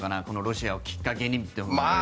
このロシアをきっかけにと。